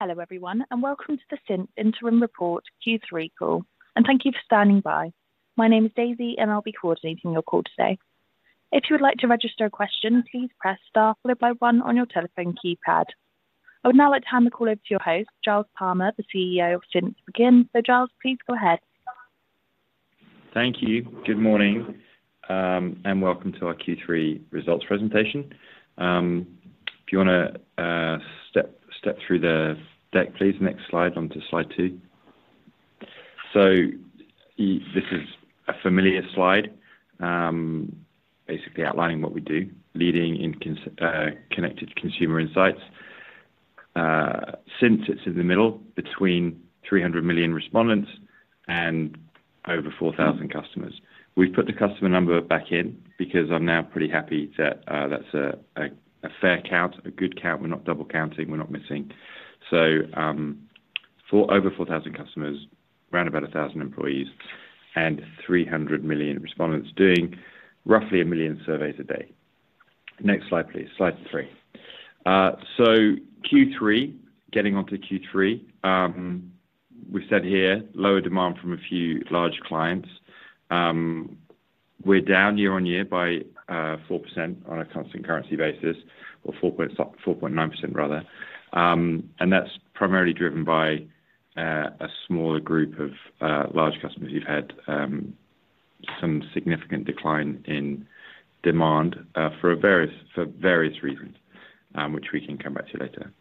Hello everyone, and welcome to the Cint Interim Report Q3 call, and thank you for standing by. My name is Daisy, and I'll be coordinating your call today. If you would like to register a question, please press Star followed by one on your telephone keypad. I would now like to hand the call over to your host, Giles Palmer, the CEO of Cint Group. Giles, please go ahead. Thank you. Good morning, and welcome to our Q3 results presentation. If you wanna step through the deck, please. Next slide, onto Slide 2. So this is a familiar slide, basically outlining what we do, leading in connected consumer insights. Cint sits in the middle between 300 million respondents and over 4,000 customers. We've put the customer number back in because I'm now pretty happy that that's a fair count, a good count. We're not double counting, we're not missing. So, over 4,000 customers, round about 1,000 employees, and 300 million respondents doing roughly one million surveys a day. Next slide, please. Slide 3. So Q3, getting on to Q3, we said here, lower demand from a few large clients. We're down year-on-year by 4% on a constant currency basis, or 4.9% rather. That's primarily driven by a smaller group of large customers who've had some significant decline in demand for various reasons, which we can come back to later.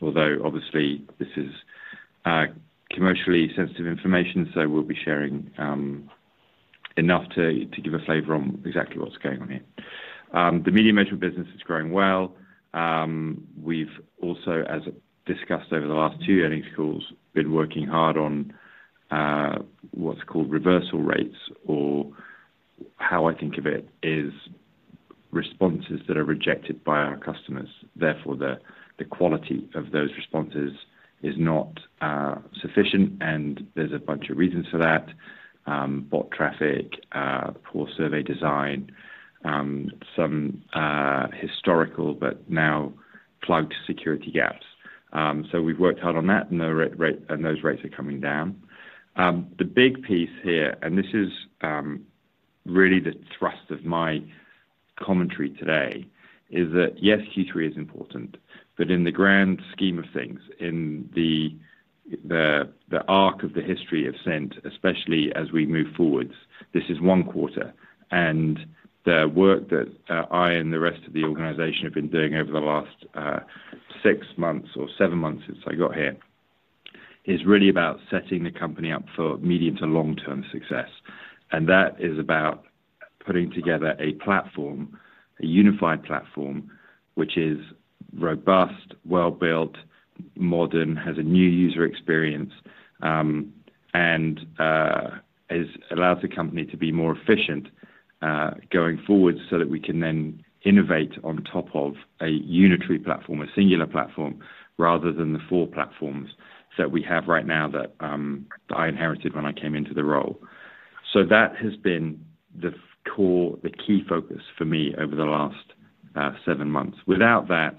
Although obviously, this is commercially sensitive information, so we'll be sharing enough to give a flavor on exactly what's going on here. The Media Measurement business is growing well. We've also, as discussed over the last two earnings calls, been working hard on what's called reversal rates, or how I think of it is responses that are rejected by our customers. Therefore, the quality of those responses is not sufficient, and there's a bunch of reasons for that. Bot traffic, poor survey design, some historical but now plugged security gaps. So we've worked hard on that, and the reversal rate, and those rates are coming down. The big piece here, and this is really the thrust of my commentary today, is that yes, Q3 is important, but in the grand scheme of things, in the arc of the history of Cint, especially as we move forward, this is one quarter. The work that I and the rest of the organization have been doing over the last six months or seven months since I got here is really about setting the company up for medium- to long-term success. That is about putting together a platform, a unified platform, which is robust, well-built, modern, has a new user experience, and is allows the company to be more efficient going forward, so that we can then innovate on top of a unitary platform, a singular platform, rather than the four platforms that we have right now that I inherited when I came into the role. That has been the core, the key focus for me over the last seven months. Without that,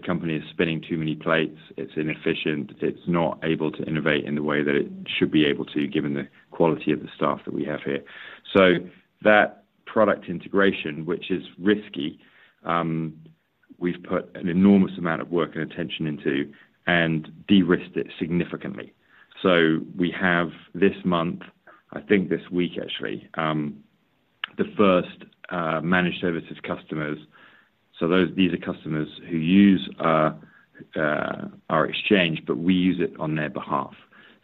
the company is spinning too many plates, it's inefficient, it's not able to innovate in the way that it should be able to, given the quality of the staff that we have here. That product integration, which is risky, we've put an enormous amount of work and attention into and de-risked it significantly. So we have this month, I think this week, actually, the first managed services customers. So those—these are customers who use our our exchange, but we use it on their behalf.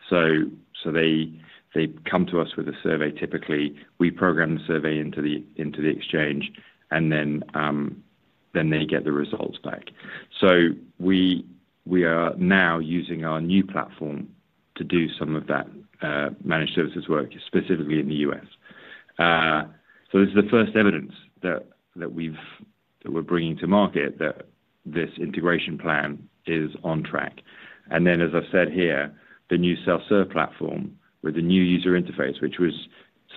So, so they, they come to us with a survey, typically. We program the survey into the, into the exchange, and then, then they get the results back. So we, we are now using our new platform to do some of that, managed services work, specifically in the U.S. So this is the first evidence that, that we're bringing to market, that this integration plan is on track. And then, as I've said here, the new self-serve platform with the new user interface, which was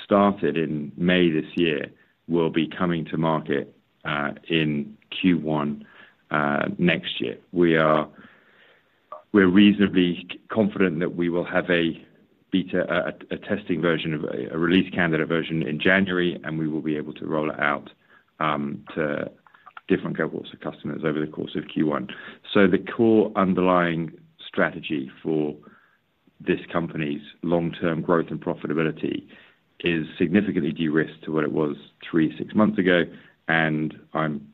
started in May this year, will be coming to market, in Q1, next year. We're reasonably confident that we will have a beta testing version of a release candidate version in January, and we will be able to roll it out to different cohorts of customers over the course of Q1. So the core underlying strategy for this company's long-term growth and profitability is significantly de-risked to what it was three, six months ago, and I'm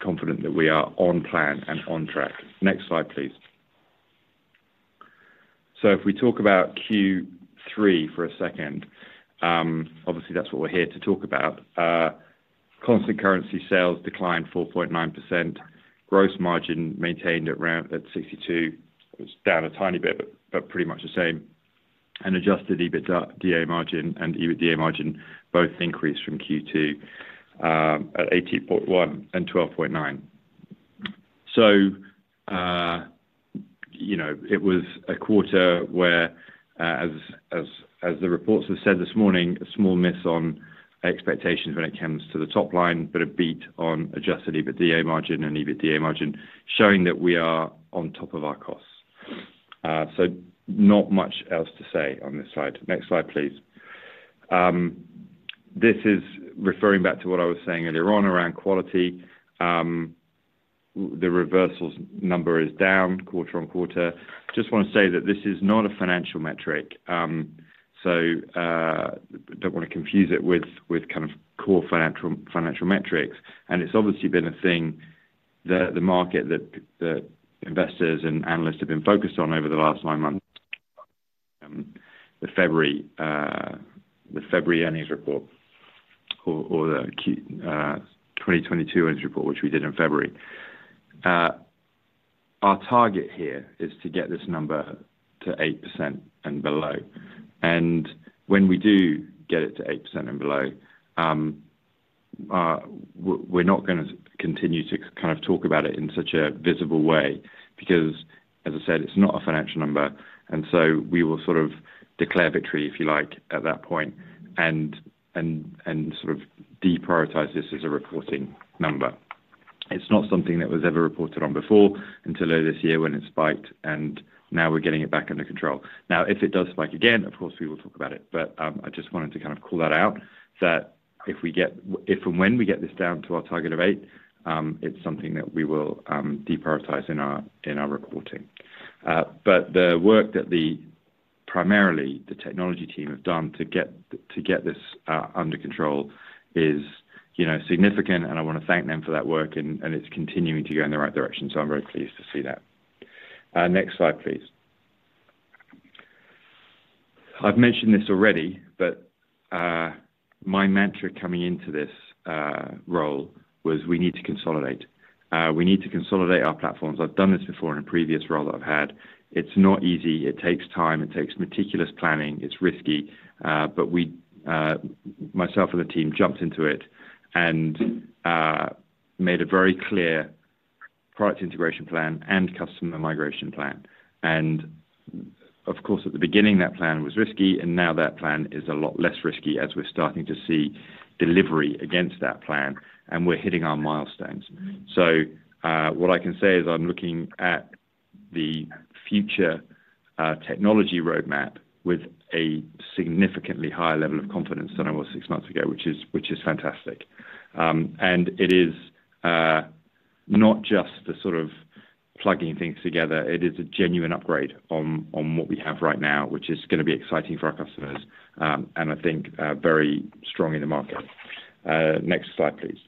confident that we are on plan and on track. Next slide, please. So if we talk about Q3 for a second, obviously, that's what we're here to talk about. Constant currency sales declined 4.9%. Gross margin maintained at around 62%. It's down a tiny bit, but pretty much the same. And adjusted EBITDA, EBITDA margin and EBITDA margin both increased from Q2, at 80.1% and 12.9%. So, you know, it was a quarter where, as the reports have said this morning, a small miss on expectations when it comes to the top line, but a beat on Adjusted EBITDA margin and EBITDA margin, showing that we are on top of our costs. So not much else to say on this slide. Next slide, please. This is referring back to what I was saying earlier on around quality. The reversals number is down quarter-over-quarter. Just want to say that this is not a financial metric, so don't want to confuse it with kind of core financial metrics. It's obviously been a thing that the market, investors and analysts have been focused on over the last nine months, the February earnings report or the 2022 earnings report, which we did in February. Our target here is to get this number to 8% and below. And when we do get it to 8% and below, we're not gonna continue to kind of talk about it in such a visible way because as I said, it's not a financial number, and so we will sort of declare victory, if you like, at that point, and sort of deprioritize this as a reporting number. It's not something that was ever reported on before until earlier this year when it spiked, and now we're getting it back under control. Now, if it does spike again, of course, we will talk about it. But, I just wanted to kind of call that out, that if and when we get this down to our target of 8%, it's something that we will deprioritize in our reporting. But the work that primarily the technology team have done to get this under control is, you know, significant, and I want to thank them for that work, and it's continuing to go in the right direction, so I'm very pleased to see that. Next slide, please. I've mentioned this already, but, my mantra coming into this role was we need to consolidate. We need to consolidate our platforms. I've done this before in a previous role that I've had. It's not easy. It takes time, it takes meticulous planning, it's risky. But we, myself and the team jumped into it and made a very clear product integration plan and customer migration plan. And of course, at the beginning, that plan was risky, and now that plan is a lot less risky as we're starting to see delivery against that plan, and we're hitting our milestones. So, what I can say is I'm looking at the future technology roadmap with a significantly higher level of confidence than I was six months ago, which is fantastic. And it is not just the sort of plugging things together. It is a genuine upgrade on what we have right now, which is gonna be exciting for our customers, and I think very strong in the market. Next slide, please.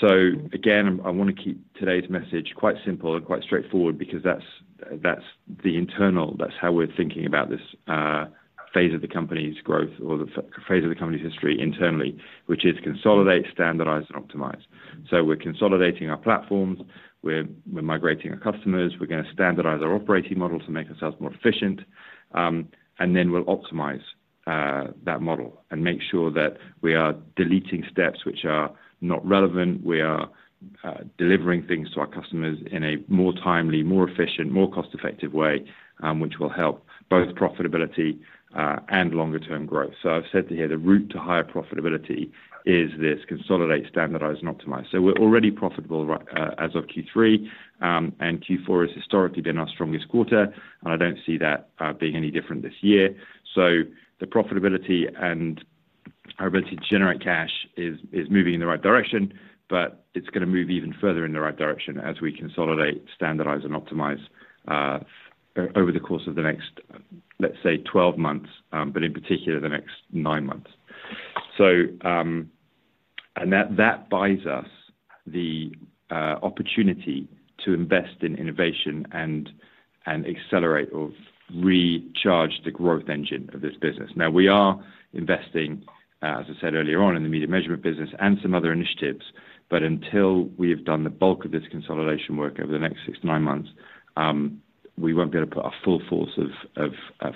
So again, I want to keep today's message quite simple and quite straightforward because that's the internal, that's how we're thinking about this phase of the company's growth or the phase of the company's history internally, which is consolidate, standardize, and optimize. So we're consolidating our platforms, we're migrating our customers, we're gonna standardize our operating model to make ourselves more efficient, and then we'll optimize that model and make sure that we are deleting steps which are not relevant. We are delivering things to our customers in a more timely, more efficient, more cost-effective way, which will help both profitability and longer term growth. So I've said to here, the route to higher profitability is this: consolidate, standardize, and optimize. So we're already profitable right, as of Q3, and Q4 has historically been our strongest quarter, and I don't see that being any different this year. So the profitability and our ability to generate cash is moving in the right direction, but it's gonna move even further in the right direction as we consolidate, standardize, and optimize over the course of the next, let's say, 12 months, but in particular, the next nine months. So, and that buys us the opportunity to invest in innovation and accelerate or recharge the growth engine of this business. Now, we are investing, as I said earlier on, in the media measurement business and some other initiatives, but until we have done the bulk of this consolidation work over the next six, nine months, we won't be able to put our full force of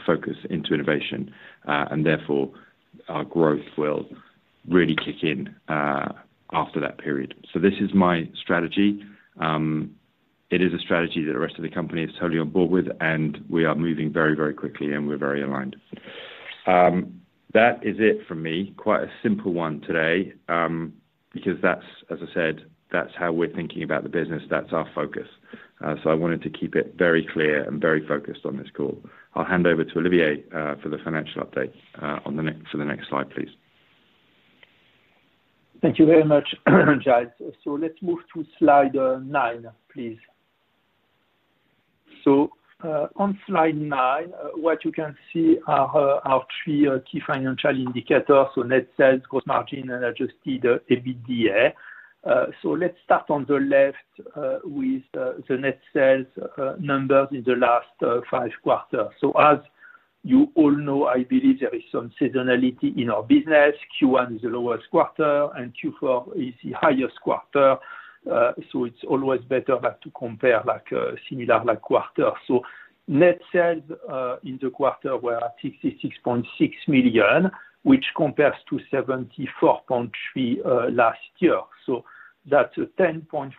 focus into innovation, and therefore, our growth will really kick in after that period. So this is my strategy. It is a strategy that the rest of the company is totally on board with, and we are moving very, very quickly, and we're very aligned. That is it for me. Quite a simple one today, because that's, as I said, that's how we're thinking about the business. That's our focus. So I wanted to keep it very clear and very focused on this call. I'll hand over to Olivier for the financial update, to the next slide, please. Thank you very much, Giles. So let's move to Slide 9, please. So, on Slide 9, what you can see are our three key financial indicators, so net sales, gross margin, and adjusted EBITDA. So let's start on the left with the net sales numbers in the last five quarters. So as you all know, I believe there is some seasonality in our business. Q1 is the lowest quarter, and Q4 is the highest quarter. So it's always better, like, to compare, like, similar, like, quarters. So net sales in the quarter were 66.6 million, which compares to 74.3 million last year. So that's a 10.4%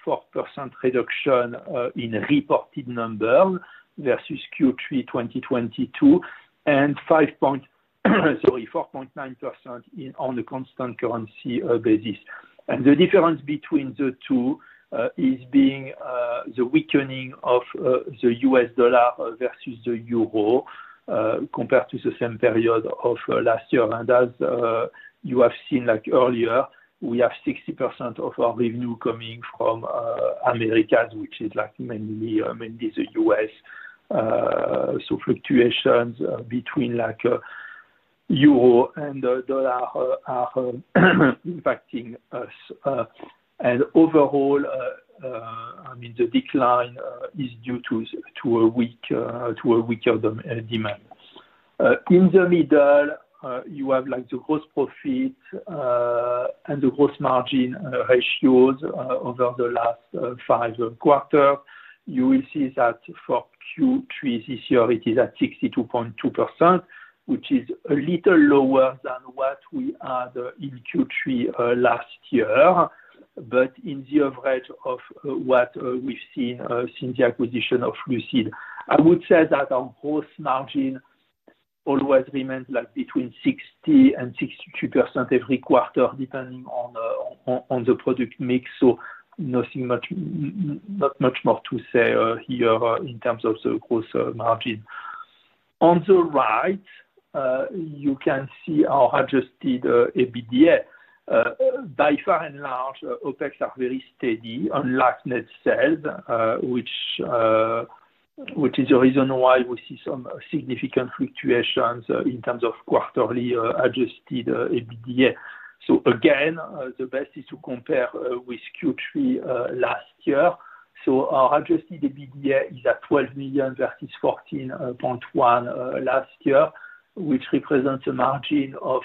reduction in reported numbers versus Q3 2022 and 4.9% on the constant currency basis. The difference between the two is being the weakening of the U.S. dollar versus the euro compared to the same period of last year. As you have seen, like earlier, we have 60% of our revenue coming from Americas, which is like mainly, mainly the U.S. So fluctuations between like euro and the dollar are impacting us. And overall, I mean, the decline is due to a weaker demand. In the middle you have like the gross profit and the gross margin ratios over the last five quarters. You will see that for Q3 this year, it is at 62.2%, which is a little lower than what we had in Q3 last year, but in the average of what we've seen since the acquisition of Lucid. I would say that our gross margin always remains like between 60% and 62% every quarter, depending on the product mix. So nothing much, not much more to say here in terms of the gross margin. On the right, you can see our adjusted EBITDA. By and large, OpEx are very steady, unlike net sales, which is the reason why we see some significant fluctuations in terms of quarterly adjusted EBITDA. So again, the best is to compare with Q3 last year. So our adjusted EBITDA is at 12 million versus 14.1 million last year, which represents a margin of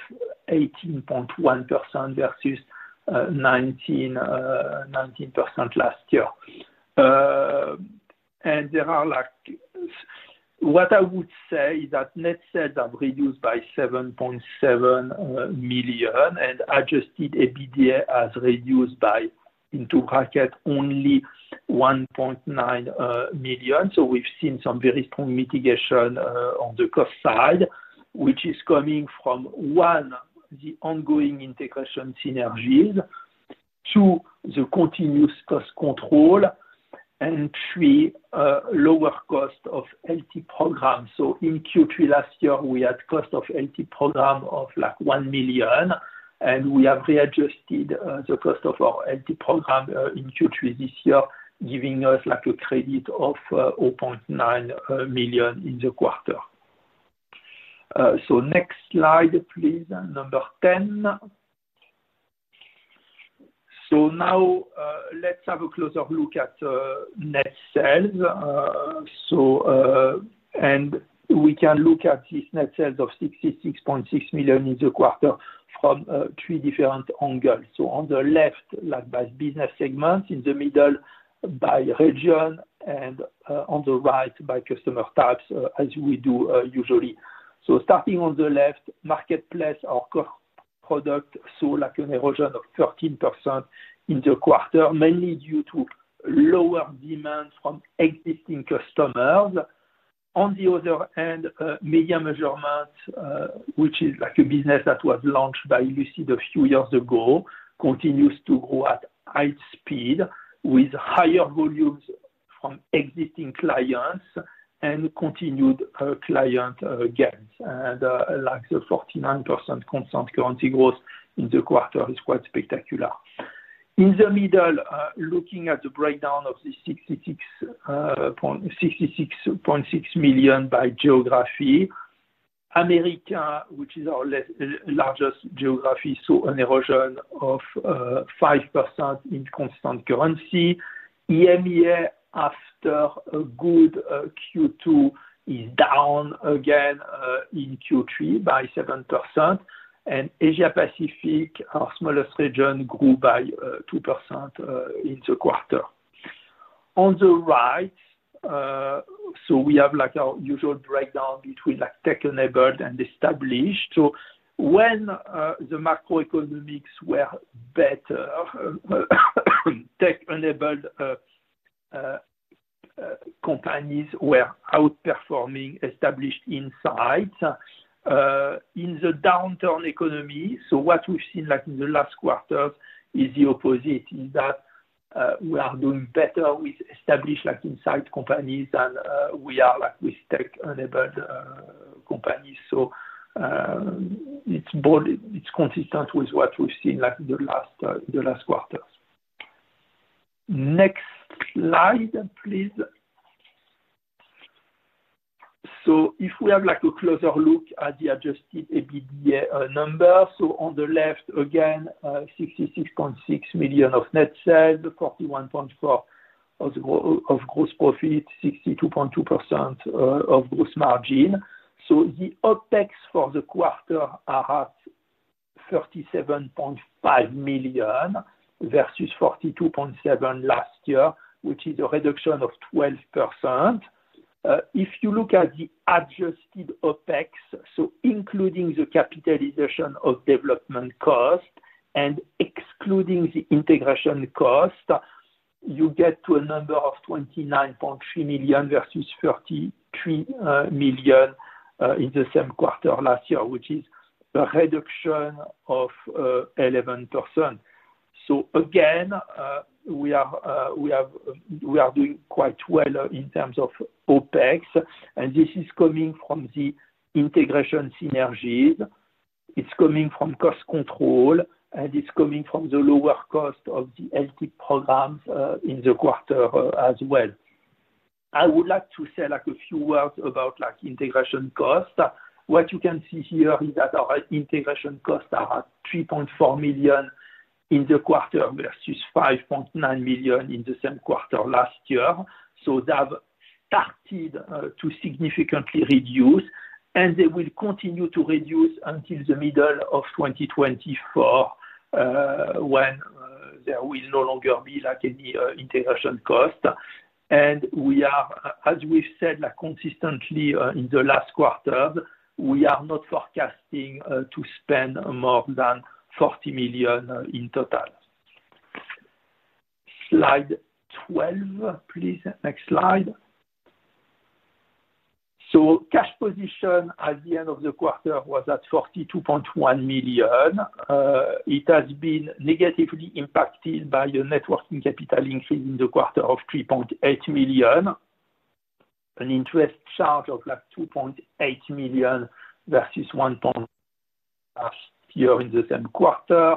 18.1% versus 19% last year. And there are like... What I would say is that net sales have reduced by 7.7 million, and adjusted EBITDA has reduced by, into bracket, only 1.9 million. So we've seen some very strong mitigation on the cost side, which is coming from, one, the ongoing integration synergies, two, the continuous cost control, and three, lower cost of LT program. So in Q3 last year, we had cost of LT program of, like, 1 million, and we have readjusted the cost of our LT program in Q3 this year, giving us like a credit of 0.9 million in the quarter. So next slide, please, number 10. So now, let's have a closer look at net sales. We can look at this net sales of 66.6 million in the quarter from three different angles. So on the left, like, by business segment, in the middle, by region, and on the right, by customer types, as we do usually. So starting on the left, marketplace, our core product, saw like an erosion of 13% in the quarter, mainly due to lower demands from existing customers. On the other hand, media measurement, which is like a business that was launched by Lucid a few years ago, continues to grow at high speed, with higher volumes from existing clients and continued client gains. Like the 49% constant currency growth in the quarter is quite spectacular. In the middle, looking at the breakdown of the 66.6 million by geography. Americas, which is our largest geography, saw an erosion of 5% in constant currency. EMEA, after a good Q2, is down again in Q3 by 7%. And Asia Pacific, our smallest region, grew by 2% in the quarter. On the right, so we have, like, our usual breakdown between, like, tech-enabled and established. So when the macroeconomics were better, tech-enabled companies were outperforming established insights in the downturn economy. So what we've seen, like in the last quarter, is the opposite, is that, we are doing better with established, like, insight companies than, we are like with tech-enabled, companies. So, it's consistent with what we've seen, like, in the last, the last quarters. Next slide, please. So if we have, like, a closer look at the adjusted EBITDA number. So on the left, again, 66.6 million of net sales, 41.4 million of gross profit, 62.2% of gross margin. So the OpEx for the quarter are at 37.5 million versus 42.7 million last year, which is a reduction of 12%. If you look at the adjusted OpEx, so including the capitalization of development cost and excluding the integration cost-... You get to a number of 29.3 million versus 33 million in the same quarter last year, which is a reduction of 11%. So again, we are doing quite well in terms of OpEx, and this is coming from the integration synergies. It's coming from cost control, and it's coming from the lower cost of the LT programs in the quarter as well. I would like to say, like, a few words about, like, integration cost. What you can see here is that our integration costs are at 3.4 million in the quarter, versus 5.9 million in the same quarter last year. So they have started to significantly reduce, and they will continue to reduce until the middle of 2024, when there will no longer be, like, any integration cost. And as we've said, like, consistently, in the last quarter, we are not forecasting to spend more than 40 million in total. Slide 12, please. Next slide. So cash position at the end of the quarter was at 42.1 million. It has been negatively impacted by the net working capital increase in the quarter of 3.8 million, an interest charge of, like, 2.8 million versus 1.0 last year in the same quarter,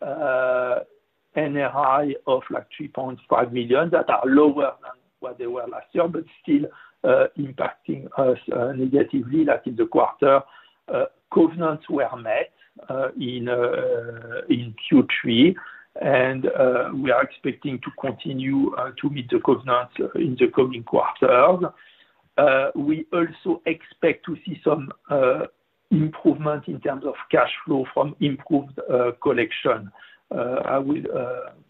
and a tax of, like, 3.5 million. That are lower than what they were last year, but still impacting us negatively, like in the quarter. Covenants were met in Q3, and we are expecting to continue to meet the covenants in the coming quarters. We also expect to see some improvement in terms of cash flow from improved collection. I will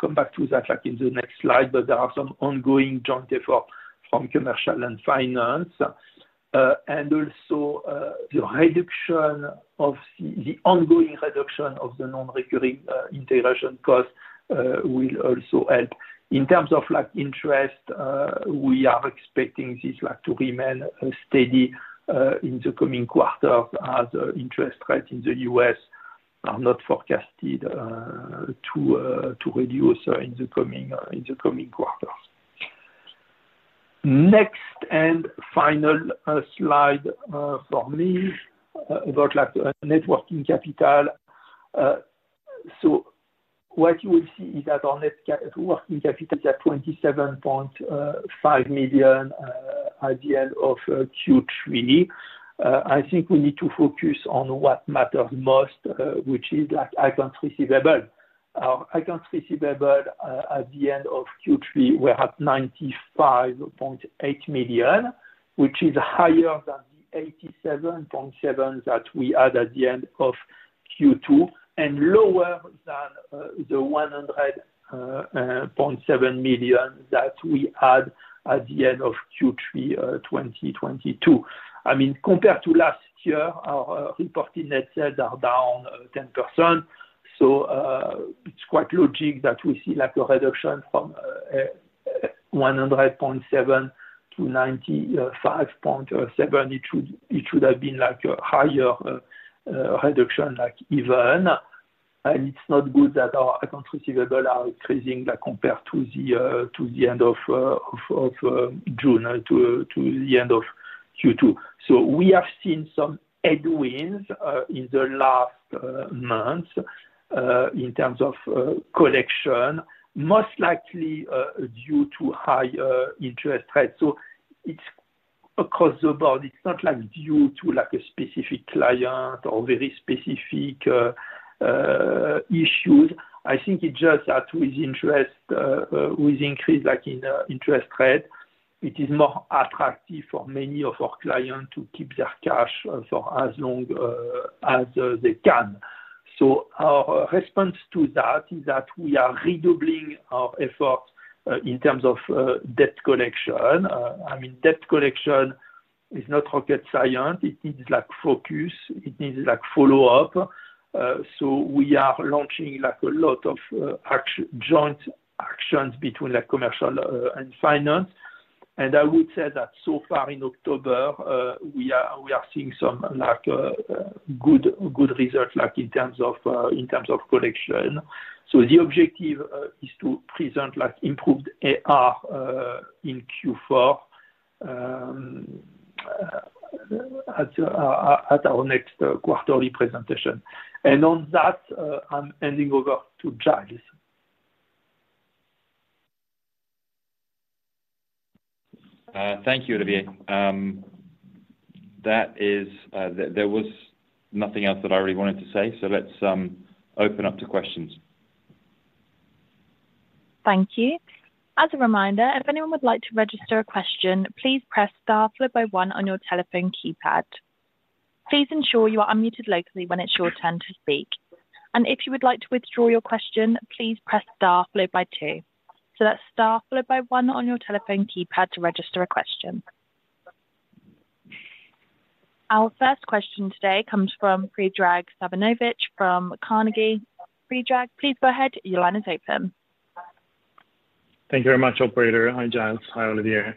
come back to that, like, in the next slide, but there are some ongoing joint effort from commercial and finance. And also, the ongoing reduction of the non-recurring integration cost will also help. In terms of, like, interest, we are expecting this, like, to remain steady in the coming quarters as interest rates in the U.S. are not forecasted to reduce in the coming quarters. Next and final slide from me about, like, net working capital. So what you will see is that our net working capital is at 27.5 million at the end of Q3. I think we need to focus on what matters most, which is, like, accounts receivable. Our accounts receivable at the end of Q3 were at 95.8 million, which is higher than the 87.7 million that we had at the end of Q2, and lower than the 100.7 million that we had at the end of Q3 2022. I mean, compared to last year, our reporting net sales are down 10%. So it's quite logical that we see, like, a reduction from 100.7 to 95.7. It should, it should have been, like, a higher reduction, like, even. It's not good that our accounts receivable are increasing, like, compared to the end of June to the end of Q2. So we have seen some headwinds in the last months in terms of collection, most likely due to higher interest rates. So it's across the board. It's not, like, due to, like, a specific client or very specific issues. I think it's just that with interest, with increase, like, in interest rate, it is more attractive for many of our clients to keep their cash for as long as they can. So our response to that is that we are redoubling our efforts in terms of debt collection. I mean, debt collection is not rocket science. It needs, like, focus. It needs, like, follow-up. So we are launching, like, a lot of joint actions between, like, commercial and finance. And I would say that so far in October, we are seeing some, like, good results, like, in terms of collection. So the objective is to present, like, improved AR in Q4 at our next quarterly presentation. And on that, I'm handing over to Giles. Thank you, Olivier. That is, there was nothing else that I really wanted to say, so let's open up to questions. Thank you. As a reminder, if anyone would like to register a question, please press star followed by one on your telephone keypad. Please ensure you are unmuted locally when it's your turn to speak, and if you would like to withdraw your question, please press star followed by two. So that's star followed by one on your telephone keypad to register a question.... Our first question today comes from Predrag Savinovic from Carnegie. Predrag, please go ahead. Your line is open. Thank you very much, operator. Hi, Giles. Hi, Olivier,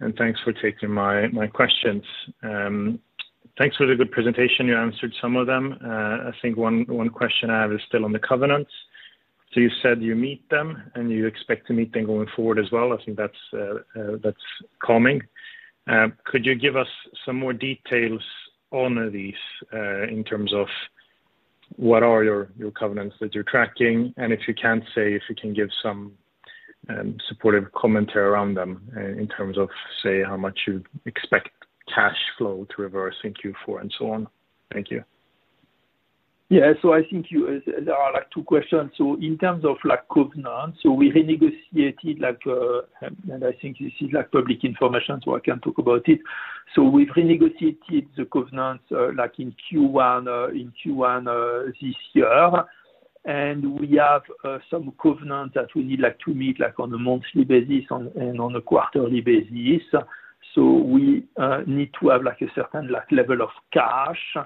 and thanks for taking my, my questions. Thanks for the good presentation. You answered some of them. I think one, one question I have is still on the covenants. So you said you meet them, and you expect to meet them going forward as well. I think that's, that's calming. Could you give us some more details on these, in terms of what are your, your covenants that you're tracking? And if you can't say, if you can give some, supportive commentary around them, in terms of, say, how much you expect cash flow to reverse in Q4 and so on. Thank you. Yeah. So I think you... There are, like, two questions. So in terms of, like, covenants, so we renegotiated, like... And I think this is, like, public information, so I can talk about it. So we've renegotiated the covenants, like in Q1, in Q1, this year. And we have, some covenants that we need, like, to meet, like, on a monthly basis and, on a quarterly basis. So we, need to have, like, a certain, like, level of cash,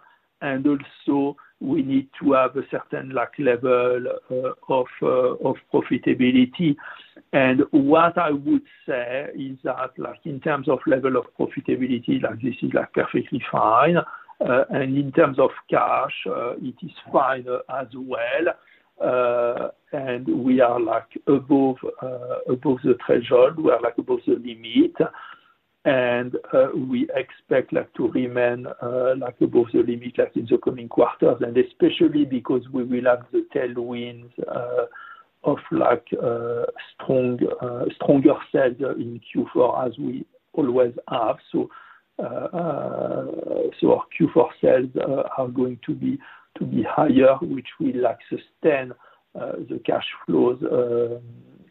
and also we need to have a certain, like, level, of, of profitability. And what I would say is that, like, in terms of level of profitability, like, this is, like, perfectly fine. And in terms of cash, it is fine as well. And we are, like, above, above the threshold. We are, like, above the limit, and we expect, like, to remain, like, above the limit, like, in the coming quarters, and especially because we will have the tailwinds of like, strong, stronger sales in Q4, as we always have. So, so our Q4 sales are going to be, to be higher, which will, like, sustain the cash flows,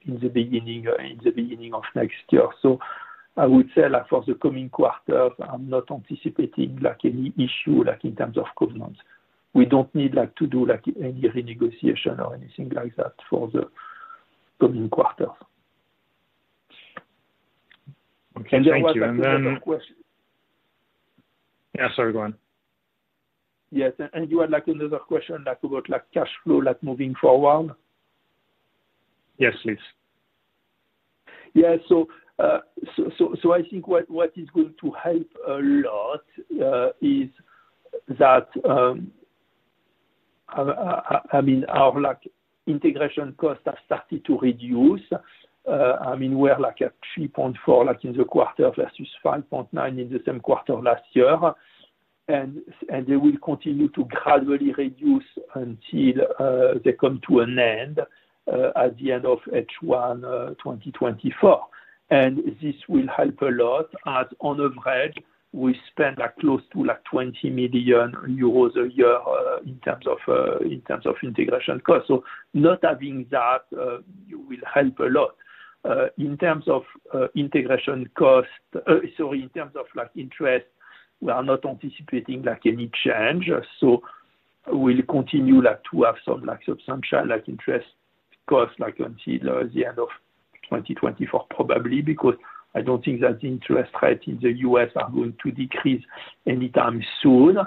in the beginning, in the beginning of next year. So I would say, like, for the coming quarters, I'm not anticipating, like, any issue, like, in terms of covenants. We don't need, like, to do, like, any renegotiation or anything like that for the coming quarters. Okay. Thank you. And then- There was another question. Yeah, sorry, go on. Yes, and you had, like, another question, like, about, like, cash flow, like, moving forward? Yes, please. Yeah. So I think what is going to help a lot is that, I mean, our, like, integration costs have started to reduce. I mean, we're like at 3.4, like, in the quarter, versus 5.9 in the same quarter last year. And they will continue to gradually reduce until they come to an end at the end of H1 2024. And this will help a lot as on average, we spend, like, close to, like, 20 million euros a year in terms of integration costs. So not having that will help a lot. In terms of integration costs... Sorry, in terms of, like, interest, we are not anticipating, like, any change. So we'll continue, like, to have some, like, substantial, like, interest costs, like, until the end of 2024, probably, because I don't think that the interest rates in the U.S. are going to decrease anytime soon.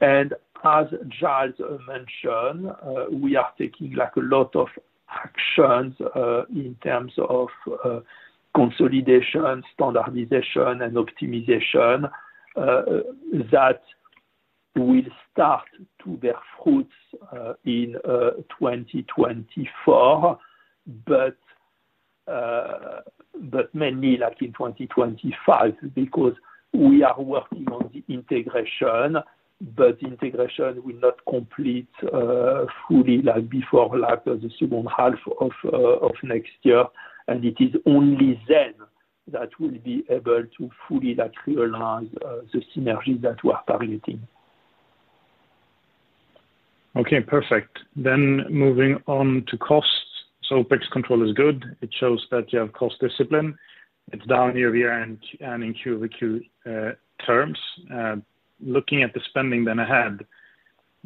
And as Giles mentioned, we are taking, like, a lot of actions in terms of consolidation, standardization, and optimization that will start to bear fruits in 2024. But mainly like in 2025, because we are working on the integration, but integration will not complete fully, like, before, like, the second half of next year. And it is only then that we'll be able to fully, like, realize the synergies that we're targeting. Okay, perfect. Then moving on to costs. So OpEx control is good. It shows that you have cost discipline. It's down year-over-year and in Q-over-Q terms. Looking at the spending then ahead,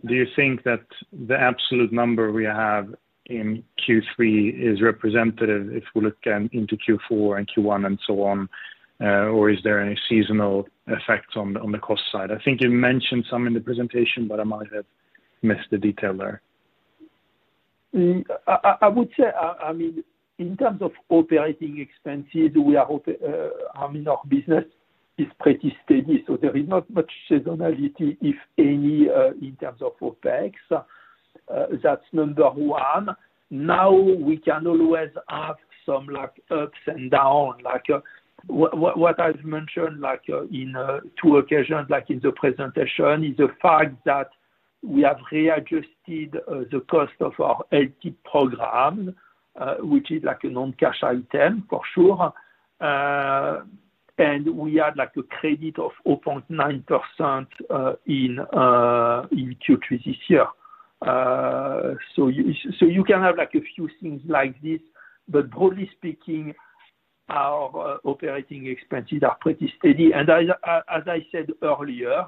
do you think that the absolute number we have in Q3 is representative if we look then into Q4 and Q1 and so on? Or is there any seasonal effect on the cost side? I think you mentioned some in the presentation, but I might have missed the detail there. I would say, I mean, in terms of operating expenses, we are, I mean, our business is pretty steady, so there is not much seasonality, if any, in terms of OpEx. That's number one. Now, we can always have some, like, ups and downs. Like, what I've mentioned, like, in two occasions, like in the presentation, is the fact that we have readjusted the cost of our LTI program, which is like a non-cash item for sure. And we had, like, a credit of 0.9% in Q3 this year. So you can have, like, a few things like this, but broadly speaking, our operating expenses are pretty steady. And as I said earlier,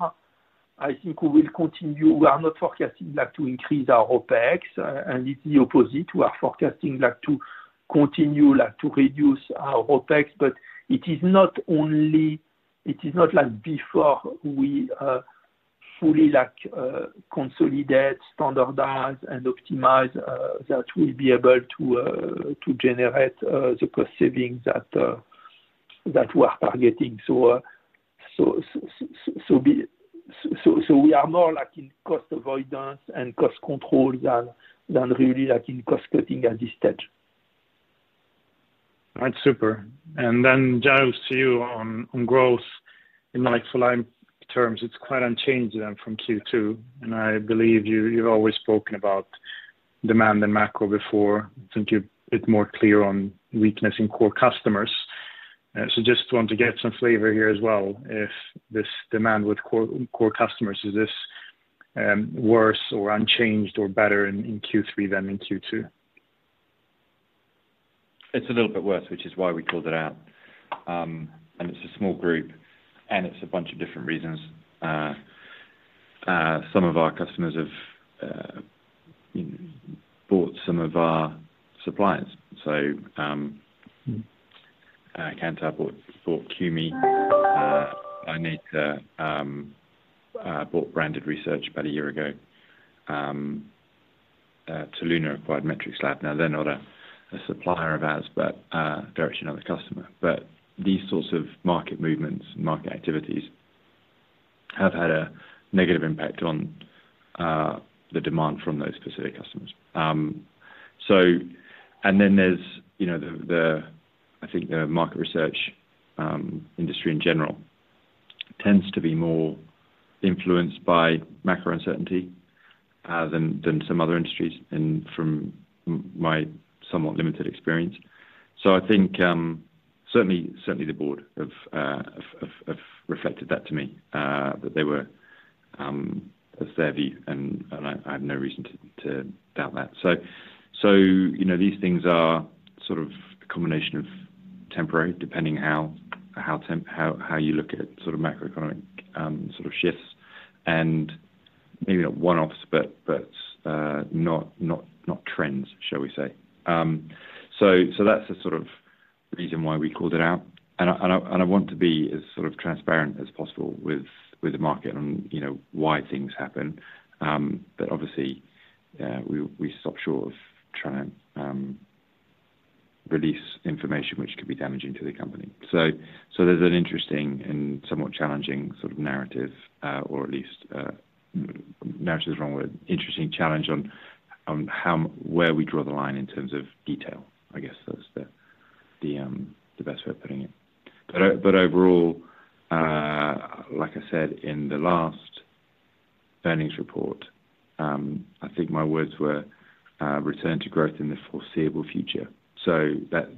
I think we will continue. We are not forecasting, like, to increase our OpEx, and it's the opposite. We are forecasting, like, to continue, like, to reduce our OpEx, but it is not only, it is not like before we fully, like, consolidate, standardize, and optimize that we'll be able to to generate the cost savings that that we are targeting. So, we are more like in cost avoidance and cost control than really like in cost cutting at this stage. That's super. And then, Giles, to you on growth. In like for like terms, it's quite unchanged then from Q2, and I believe you, you've always spoken about demand and macro before. I think you're a bit more clear on weakness in core customers. So just want to get some flavor here as well, if this demand with core customers is this worse or unchanged or better in Q3 than in Q2? It's a little bit worse, which is why we called it out. It's a small group, and it's a bunch of different reasons. Some of our customers have bought some of our suppliers. So, Kantar bought Qmee. Dynata bought Branded Research about a year ago. Toluna acquired MetrixLab. Now, they're not a supplier of ours, but they're actually another customer. But these sorts of market movements and market activities have had a negative impact on the demand from those specific customers. So, and then there's, you know, the, the, I think the market research industry in general tends to be more influenced by macro uncertainty than some other industries and from my somewhat limited experience. So I think, certainly, certainly the board have reflected that to me, that they were, as their view, and I have no reason to doubt that. So, you know, these things are sort of a combination of temporary, depending how you look at sort of macroeconomic, sort of shifts, and maybe not one-offs, but, not trends, shall we say. So that's the sort of reason why we called it out. And I want to be as sort of transparent as possible with the market on, you know, why things happen. But obviously, we stop short of trying to release information which could be damaging to the company. So, there's an interesting and somewhat challenging sort of narrative, or at least, narrative is the wrong word. Interesting challenge on how - where we draw the line in terms of detail. I guess that's the best way of putting it. But overall, like I said, in the last earnings report, I think my words were, "Return to growth in the foreseeable future." So,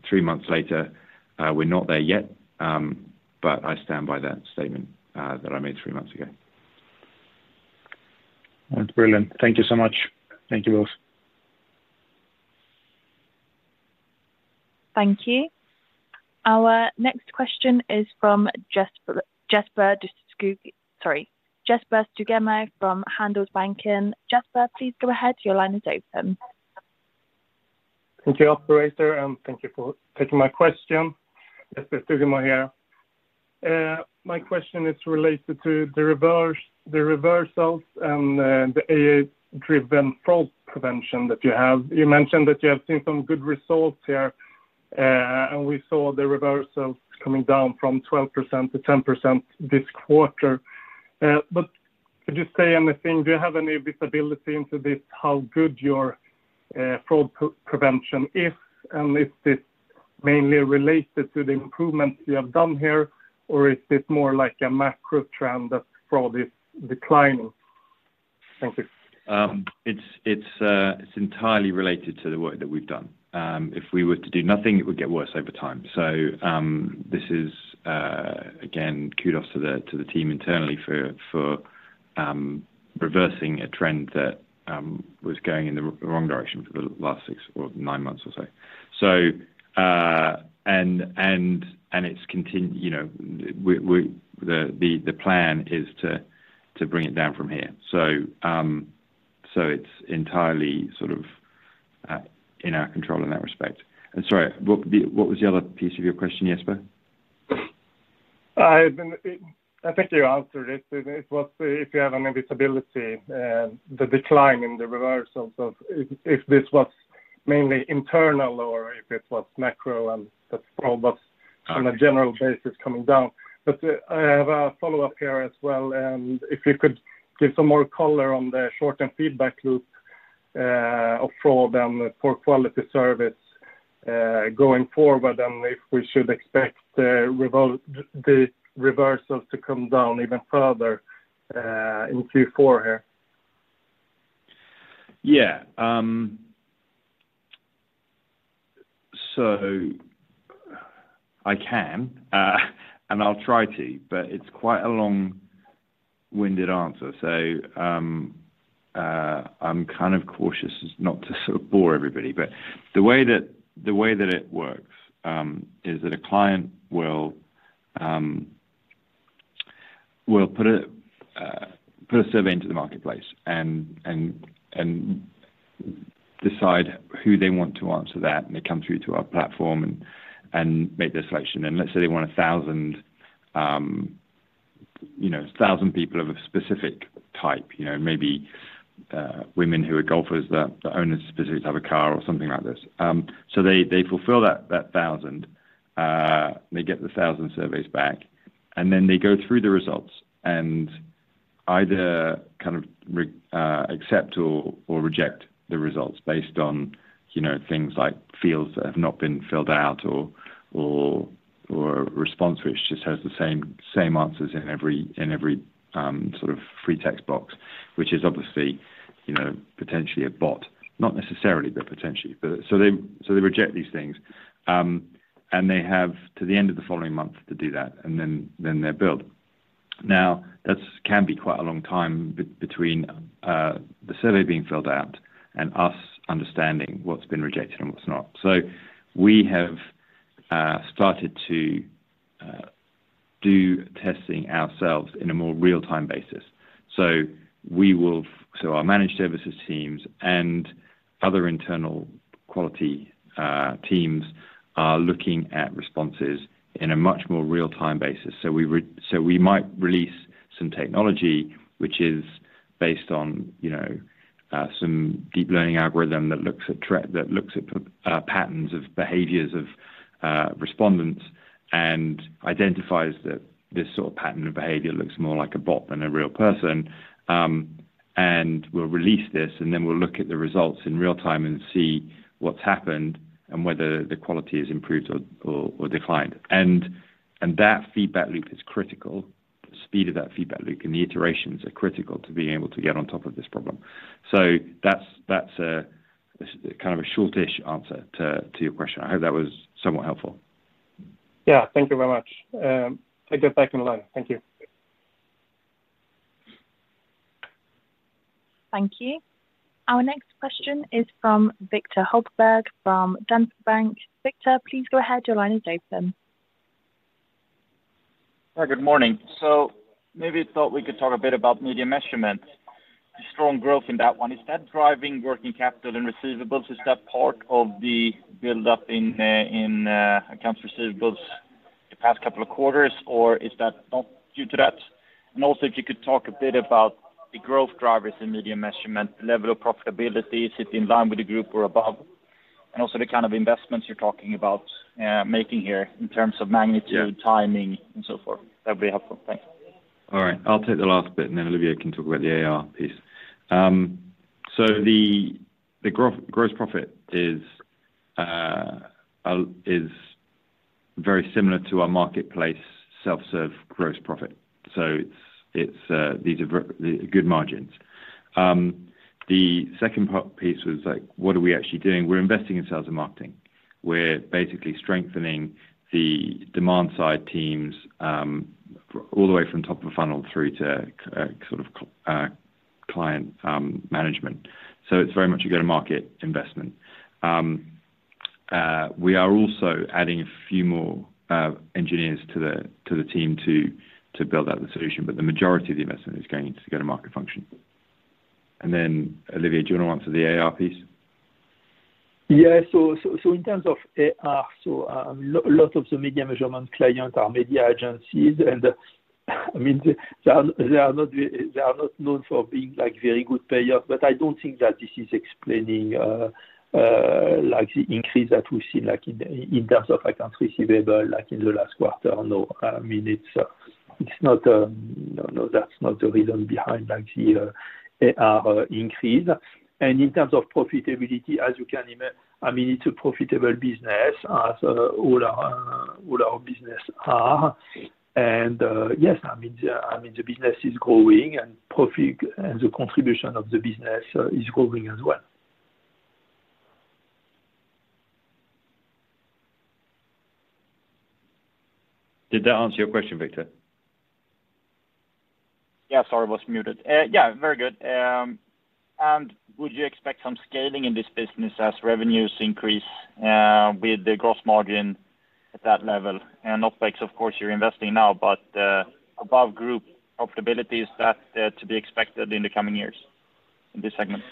three months later, we're not there yet, but I stand by that statement that I made three months ago. That's brilliant. Thank you so much. Thank you both. Thank you. Our next question is from Jesper Stugemo from Handelsbanken. Jesper, please go ahead. Your line is open. Thank you, operator, and thank you for taking my question. Jesper Stugemo here. My question is related to the reverse, the reversals and, the AI-driven fraud prevention that you have. You mentioned that you have seen some good results here, and we saw the reversals coming down from 12% to 10% this quarter. But could you say anything, do you have any visibility into this, how good your fraud prevention is? And is this mainly related to the improvements you have done here, or is this more like a macro trend that fraud is declining? Thank you. It's entirely related to the work that we've done. If we were to do nothing, it would get worse over time. So, this is, again, kudos to the team internally for reversing a trend that was going in the wrong direction for the last six or nine months or so. So, and it's continuing, you know, we, the plan is to bring it down from here. So, it's entirely sort of in our control in that respect. And sorry, what was the other piece of your question, Jesper? I mean, I think you answered it. It was if you have any visibility, the decline in the reversals, if this was mainly internal or if it was macro and the fraud was- Okay... on a general basis coming down. But I have a follow-up here as well, and if you could give some more color on the short-term feedback loop of fraud and for quality service going forward, and if we should expect the reversals to come down even further in Q4 here? Yeah. So I can, and I'll try to, but it's quite a long-winded answer. So, I'm kind of cautious as not to sort of bore everybody, but the way that, the way that it works, is that a client will put a survey into the marketplace and decide who they want to answer that, and they come through to our platform and make their selection. And let's say they want 1,000, you know, 1,000 people of a specific type, you know, maybe, women who are golfers that own a specific type of car or something like this. So they fulfill that 1,000, they get the 1,000 surveys back, and then they go through the results and either kind of re-accept or reject the results based on, you know, things like fields that have not been filled out or a response which just has the same answers in every sort of free text box, which is obviously, you know, potentially a bot. Not necessarily, but potentially. But so they reject these things, and they have to the end of the following month to do that, and then they're billed. Now, that's can be quite a long time between the survey being filled out and us understanding what's been rejected and what's not. So we have started to do testing ourselves in a more real-time basis. So our managed services teams and other internal quality teams are looking at responses in a much more real-time basis. So we might release some technology, which is based on, you know, some deep learning algorithm that looks at patterns of behaviors of respondents and identifies that this sort of pattern of behavior looks more like a bot than a real person. And we'll release this, and then we'll look at the results in real time and see what's happened and whether the quality has improved or declined. And that feedback loop is critical. The speed of that feedback loop and the iterations are critical to being able to get on top of this problem. So that's a kind of a short-ish answer to your question. I hope that was somewhat helpful. Yeah, thank you very much. I take that back in line. Thank you. Thank you. Our next question is from Viktor Högberg, from Danske Bank. Viktor, please go ahead. Your line is open. Hi, good morning. So maybe I thought we could talk a bit about Media Measurement. The strong growth in that one, is that driving working capital and receivables? Is that part of the buildup in accounts receivables the past couple of quarters, or is that not due to that? And also, if you could talk a bit about the growth drivers in Media Measurement, level of profitability, is it in line with the group or above? And also the kind of investments you're talking about making here in terms of magnitude- Yeah... timing and so forth. That'd be helpful. Thanks. All right, I'll take the last bit, and then Olivier can talk about the AR piece. So the gross profit is very similar to our marketplace self-serve gross profit. So it's these are very good margins. The second piece was like, what are we actually doing? We're investing in sales and marketing. We're basically strengthening the demand-side teams all the way from top of funnel through to sort of client management. So it's very much a go-to-market investment. We are also adding a few more engineers to the team to build out the solution, but the majority of the investment is going into go-to-market function. And then, Olivier, do you want to answer the AR piece? Yeah. So in terms of AR, a lot of the media measurement clients are media agencies, and, I mean, they are not known for being, like, very good payers, but I don't think that this is explaining, like, the increase that we've seen, like, in terms of accounts receivable, like, in the last quarter. No, I mean, it's not, no, that's not the reason behind, like, the AR increase. And in terms of profitability, I mean, it's a profitable business, so all our business are. And, yes, I mean the business is growing, and profit and the contribution of the business is growing as well. Did that answer your question, Viktor? Yeah, sorry, was muted. Yeah, very good. And would you expect some scaling in this business as revenues increase, with the gross margin at that level? And OpEx, of course, you're investing now, but, above group profitability, is that to be expected in the coming years in this segment?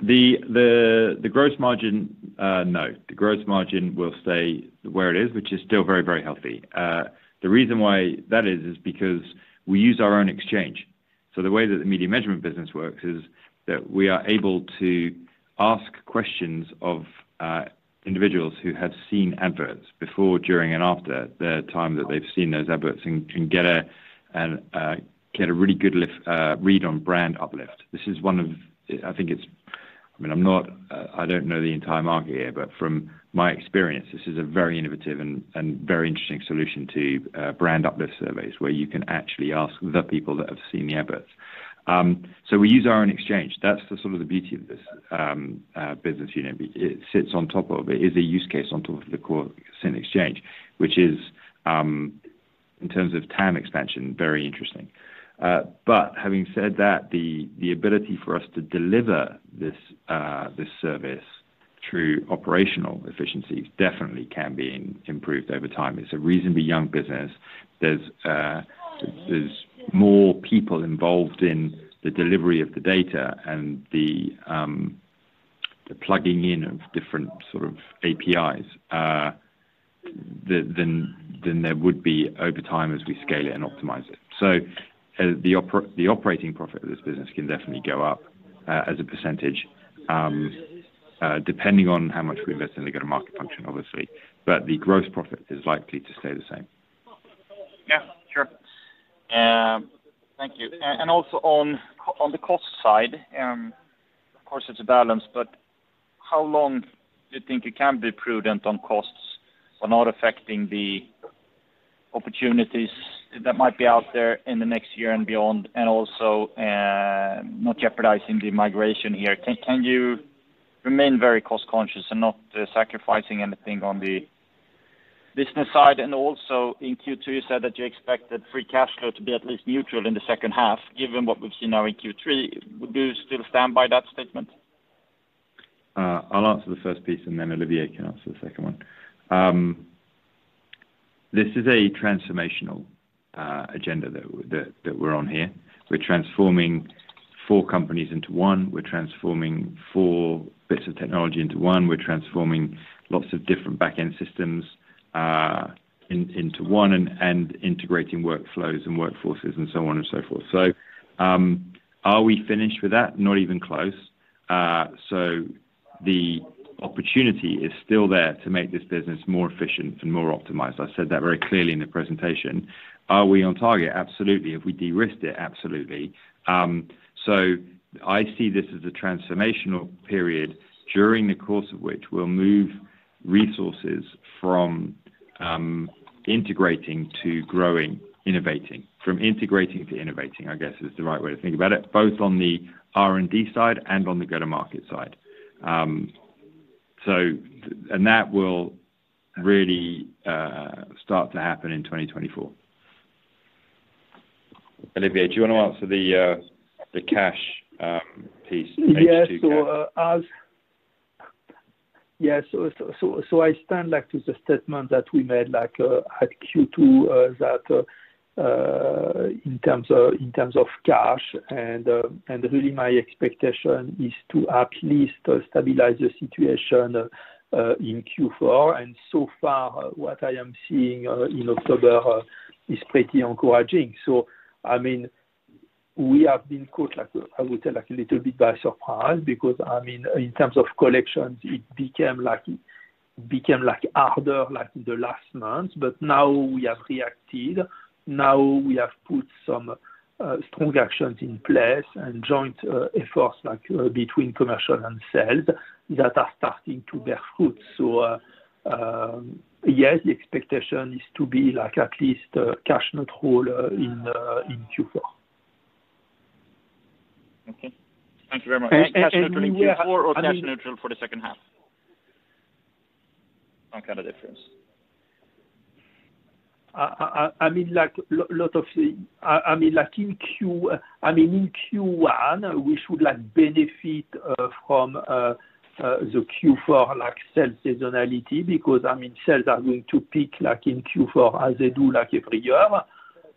The gross margin will stay where it is, which is still very, very healthy. The reason why that is is because we use our own exchange. So the way that the Media Measurement business works is that we are able to ask questions of individuals who have seen ads before, during, and after the time that they've seen those ads, and can get a really good lift read on brand uplift. This is one of... I think it's. I mean, I'm not. I don't know the entire market here, but from my experience, this is a very innovative and very interesting solution to brand uplift surveys, where you can actually ask the people that have seen the ads. So we use our own exchange. That's the sort of the beauty of this business unit. It sits on top of... It is a use case on top of the core Cint exchange, which is, in terms of TAM expansion, very interesting. But having said that, the ability for us to deliver this service through operational efficiencies definitely can be improved over time. It's a reasonably young business. There's more people involved in the delivery of the data and the plugging in of different sort of APIs than there would be over time as we scale it and optimize it. So the operating profit of this business can definitely go up as a percentage, depending on how much we invest in the go-to-market function, obviously, but the gross profit is likely to stay the same. Yeah, sure. Thank you. And also on the cost side, of course, it's a balance, but how long do you think you can be prudent on costs while not affecting the opportunities that might be out there in the next year and beyond, and also not jeopardizing the migration here? Can you remain very cost conscious and not sacrificing anything on the business side? And also in Q2, you said that you expected free cash flow to be at least neutral in the second half. Given what we've seen now in Q3, do you still stand by that statement? I'll answer the first piece, and then Olivier can answer the second one. This is a transformational agenda that we're on here. We're transforming four companies into one. We're transforming four bits of technology into one. We're transforming lots of different back-end systems into one, and integrating workflows and workforces and so on and so forth. So, are we finished with that? Not even close. So the opportunity is still there to make this business more efficient and more optimized. I said that very clearly in the presentation. Are we on target? Absolutely. Have we de-risked it? Absolutely. So I see this as a transformational period during the course of which we'll move resources from integrating to growing, innovating. From integrating to innovating, I guess, is the right way to think about it, both on the R&D side and on the go-to-market side. So, and that will really start to happen in 2024. Olivier, do you want to answer the, the cash, piece, H2 cash? Yes. So I stand back to the statement that we made, like, at Q2, that in terms of cash, and really my expectation is to at least stabilize the situation in Q4. And so far, what I am seeing in October is pretty encouraging. So I mean, we have been caught, like, I would say, like a little bit by surprise, because, I mean, in terms of collections, it became harder, like in the last month, but now we have reacted. Now, we have put some strong actions in place and joint efforts, like, between commercial and sales that are starting to bear fruit. So, yes, the expectation is to be like at least cash neutral in Q4. Okay. Thank you very much. Yeah- Cash neutral in Q4 or cash neutral for the second half? Some kind of difference. I mean, like, lot of the... I mean, like in Q1, we should like benefit from the Q4 like sales seasonality, because I mean, sales are going to peak like in Q4, as they do like every year,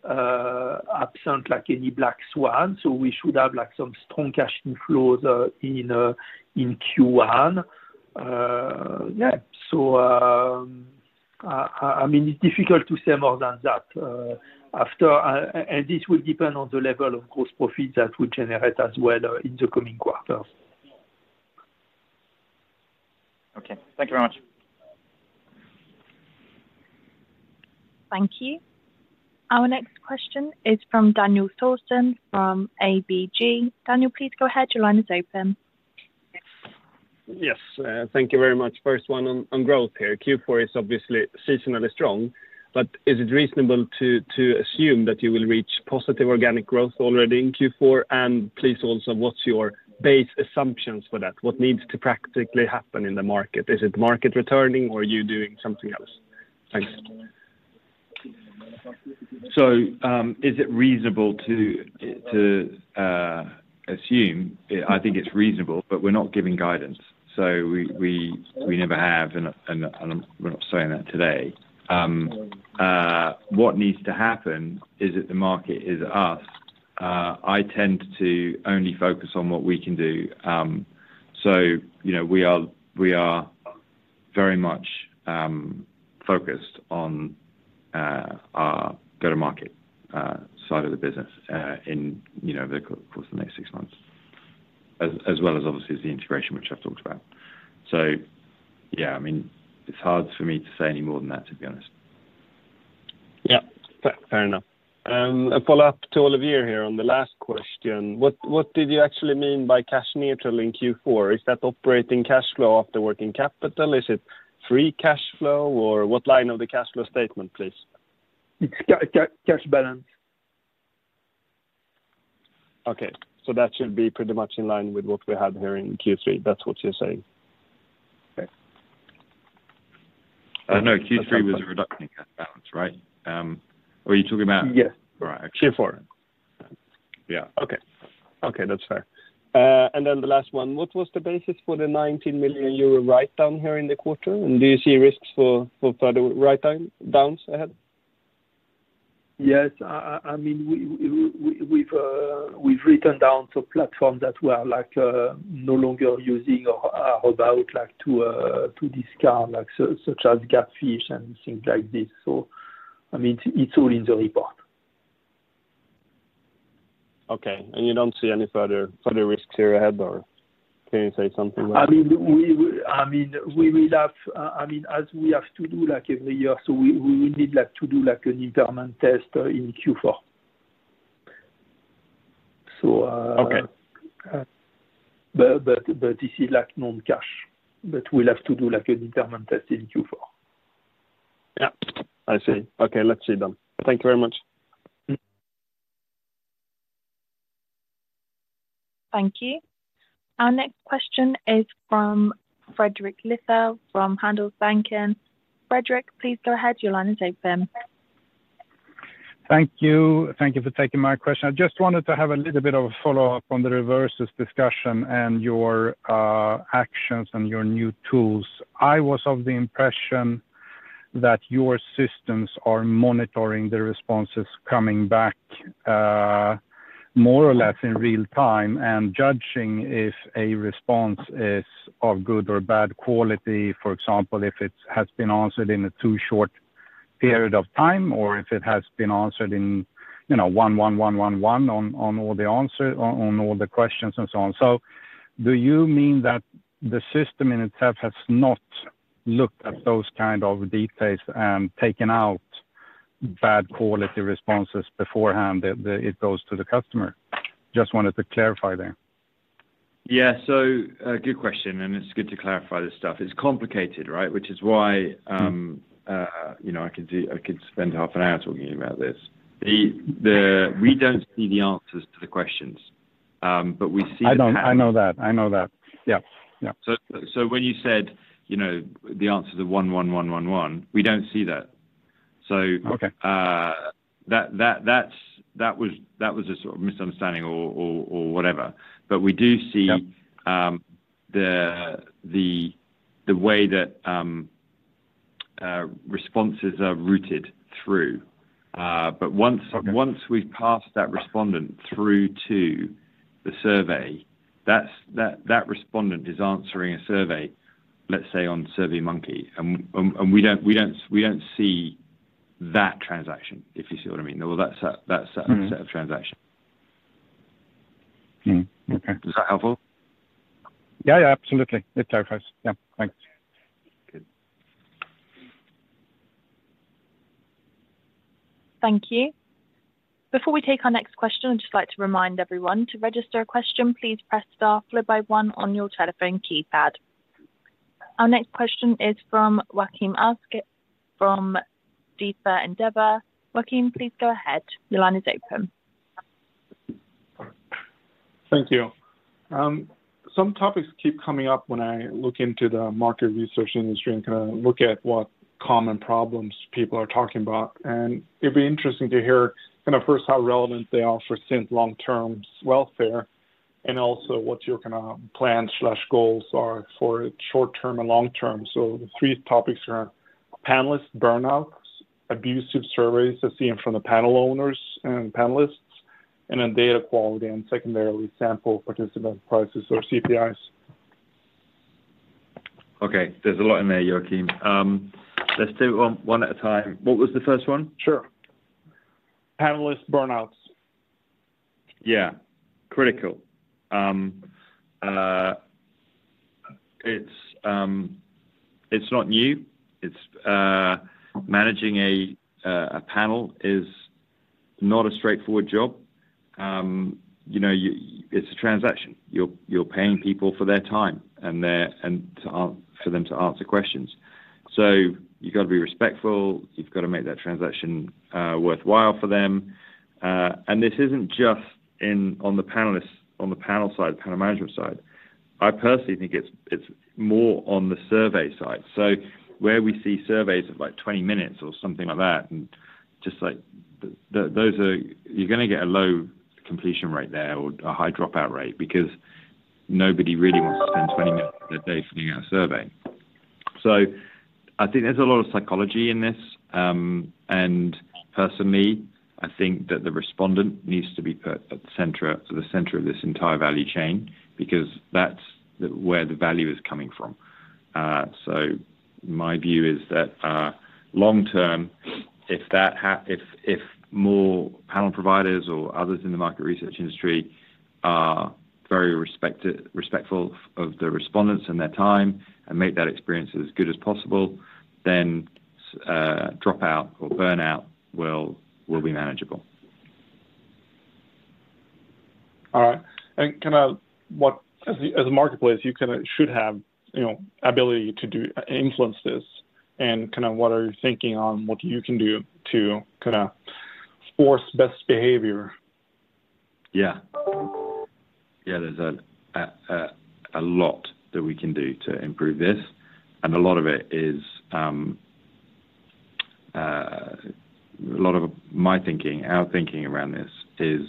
absent like any black swan. So we should have like some strong cash inflows in Q1. Yeah, so I mean, it's difficult to say more than that after... And this will depend on the level of gross profits that we generate as well in the coming quarters. Okay. Thank you very much. Thank you. Our next question is from Daniel Thorsson, from ABG. Daniel, please go ahead. Your line is open. Yes, thank you very much. First one on growth here. Q4 is obviously seasonally strong, but is it reasonable to assume that you will reach positive organic growth already in Q4? And please also, what's your base assumptions for that? What needs to practically happen in the market? Is it market returning or you doing something else? Thanks. So, is it reasonable to assume? I think it's reasonable, but we're not giving guidance. So we never have, and we're not saying that today. What needs to happen is that the market is us. I tend to only focus on what we can do. So you know, we are very much focused on our go-to-market side of the business, in you know, the course of the next six months, as well as obviously the integration, which I've talked about. So yeah, I mean, it's hard for me to say any more than that, to be honest. Yeah, fair enough. A follow-up to Olivier here on the last question. What did you actually mean by cash neutral in Q4? Is that operating cash flow after working capital? Is it free cash flow, or what line of the cash flow statement, please? Cash balance. Okay, so that should be pretty much in line with what we had here in Q3. That's what you're saying? Okay, cool.... No, Q3 was a reduction in cash balance, right? Or are you talking about- Yeah. Right. Q4. Yeah. Okay. Okay, that's fair. And then the last one: What was the basis for the 19 million euro write-down here in the quarter? And do you see risks for further write-downs ahead? Yes. I mean, we've written down to platforms that we are, like, no longer using or are about, like, to discard, like, such as GapFish and things like this. So, I mean, it's all in the report. Okay. You don't see any further risks here ahead, or can you say something about it? I mean, we will have, I mean, as we have to do, like, every year, so we will need, like, to do, like, an interim test, in Q4. So, Okay... but this is, like, non-cash, but we'll have to do, like, an interim test in Q4. Yeah, I see. Okay, let's see then. Thank you very much. Thank you. Our next question is from Fredrik Lithell from Handelsbanken. Fredrik, please go ahead. Your line is open. Thank you. Thank you for taking my question. I just wanted to have a little bit of a follow-up on the reversals discussion and your actions and your new tools. I was of the impression that your systems are monitoring the responses coming back more or less in real time, and judging if a response is of good or bad quality. For example, if it has been answered in a too short period of time, or if it has been answered in, you know, one, one, one, one, one, on, on all the answer, on, on all the questions, and so on. So do you mean that the system in itself has not looked at those kind of details and taken out bad quality responses beforehand, that it goes to the customer? Just wanted to clarify that. Yeah. So, good question, and it's good to clarify this stuff. It's complicated, right? Which is why, Mm... you know, I could spend half an hour talking to you about this. We don't see the answers to the questions, but we see the- I know, I know that. I know that. Yeah. Yeah. So when you said, you know, the answer is 1, 1, 1, 1, 1, we don't see that. So- Okay... that was a sort of misunderstanding or whatever. But we do see- Yeah... the way that responses are routed through. But once- Okay... once we've passed that respondent through to the survey, that's that respondent is answering a survey, let's say, on SurveyMonkey, and we don't see that transaction, if you see what I mean, or that set- Mm-hmm... of transaction. Mm-hmm. Okay. Is that helpful? Yeah, yeah, absolutely. It clarifies. Yeah, thanks. Good. Thank you. Before we take our next question, I'd just like to remind everyone, to register a question, please press star followed by one on your telephone keypad. Our next question is from Joachim Gunell, from DNB Markets. Joachim, please go ahead. Your line is open. Thank you. Some topics keep coming up when I look into the market research industry and kind of look at what common problems people are talking about, and it'd be interesting to hear, kind of, first, how relevant they are for Cint's long-term welfare, and also what your, kind of, plan/goals are for short-term and long-term. So the three topics are: panelist burnouts, abusive surveys as seen from the panel owners and panelists, and then data quality and secondarily, sample participant prices or CPIs. Okay, there's a lot in there, Joachim. Let's take them one at a time. What was the first one? Sure. Panelist burnouts. Yeah. Critical. It's not new. It's... Managing a panel is not a straightforward job. You know, it's a transaction. You're paying people for their time and their, and to, for them to answer questions. So you've got to be respectful. You've got to make that transaction worthwhile for them. And this isn't just in, on the panelists, on the panel side, panel management side. I personally think it's more on the survey side. So where we see surveys of, like, 20 minutes or something like that, and just, like, those are. You're gonna get a low completion rate there or a high dropout rate because nobody really wants to spend 20 minutes of their day filling out a survey. So I think there's a lot of psychology in this. And personally, I think that the respondent needs to be at the center of this entire value chain, because that's where the value is coming from. So my view is that long term, if more panel providers or others in the market research industry are very respective, respectful of the respondents and their time and make that experience as good as possible, then dropout or burnout will be manageable. All right. Kind of what as a marketplace, you kind of should have, you know, ability to do influence this, and kind of what are you thinking on what you can do to kind of force best behavior?... Yeah. Yeah, there's a lot that we can do to improve this, and a lot of it is a lot of my thinking, our thinking around this is...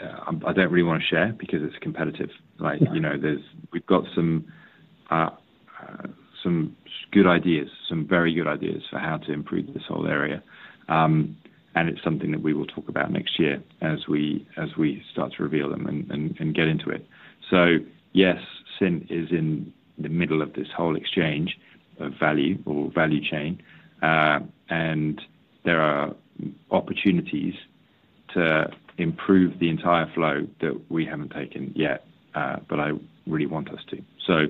I don't really want to share because it's competitive. Yeah. Like, you know, we've got some good ideas, some very good ideas for how to improve this whole area. And it's something that we will talk about next year as we start to reveal them and get into it. So, yes, Cint is in the middle of this whole exchange of value or value chain. And there are opportunities to improve the entire flow that we haven't taken yet, but I really want us to. So,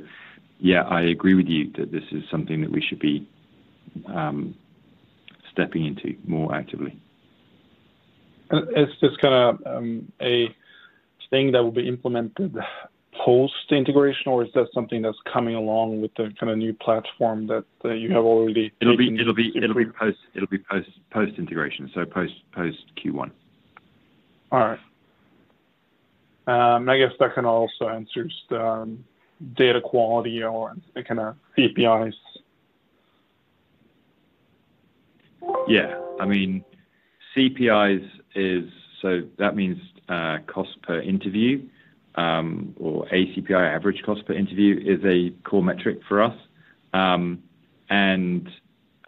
yeah, I agree with you that this is something that we should be stepping into more actively. Is this kinda a thing that will be implemented post-integration, or is that something that's coming along with the kinda new platform that you have already- It'll be post-integration, so post Q1. All right. I guess that can also answer just, data quality or thinking of CPIs. Yeah. I mean, CPIs is... So that means, cost per interview, or ACPI, average cost per interview, is a core metric for us. And,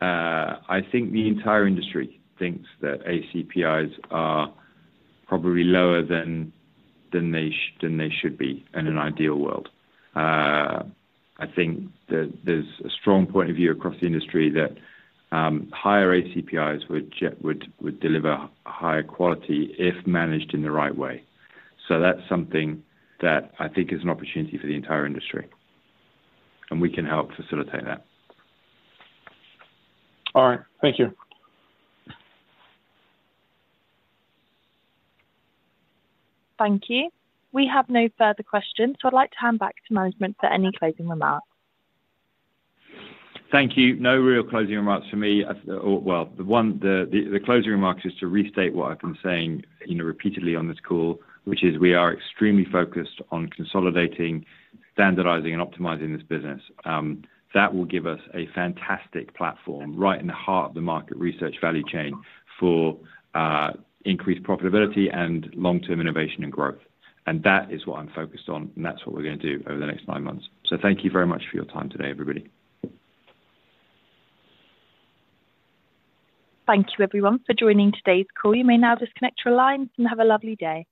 I think the entire industry thinks that ACPIs are probably lower than, than they should be in an ideal world. I think that there's a strong point of view across the industry that, higher ACPIs would deliver higher quality if managed in the right way. So that's something that I think is an opportunity for the entire industry, and we can help facilitate that. All right. Thank you. Thank you. We have no further questions, so I'd like to hand back to management for any closing remarks. Thank you. No real closing remarks for me. The closing remarks is to restate what I've been saying, you know, repeatedly on this call, which is we are extremely focused on consolidating, standardizing, and optimizing this business. That will give us a fantastic platform right in the heart of the market research value chain for increased profitability and long-term innovation and growth. And that is what I'm focused on, and that's what we're gonna do over the next nine months. So thank you very much for your time today, everybody. Thank you, everyone, for joining today's call. You may now disconnect your lines, and have a lovely day.